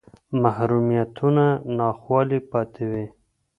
محرومیتونه ناخوالې پاتې وې